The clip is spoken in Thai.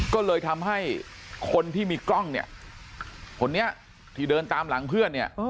ก็เลยทำให้คนที่มีกล้องเนี่ยคนนี้ที่เดินตามหลังเพื่อนเนี่ย